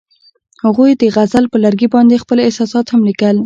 هغوی د غزل پر لرګي باندې خپل احساسات هم لیکل.